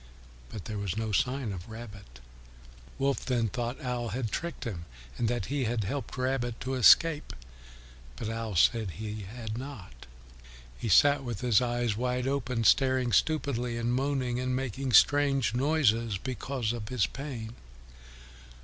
But there was no sign of Rabbit. Wolf then thought Owl had tricked him, and that he had helped Rabbit to escape. But Owl said he had not. He sat with his eyes wide open, staring stupidly and moaning and making strange noises because of his pain.